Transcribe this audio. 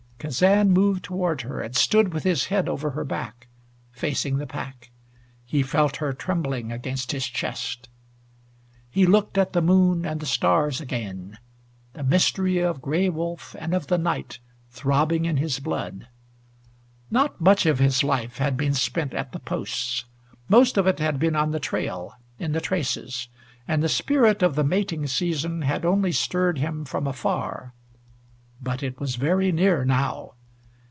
Kazan moved toward her, and stood with his head over her back, facing the pack. He felt her trembling against his chest. He looked at the moon and the stars again, the mystery of Gray Wolf and of the night throbbing in his blood. Not much of his life had been spent at the posts. Most of it had been on the trail in the traces and the spirit of the mating season had only stirred him from afar. But it was very near now.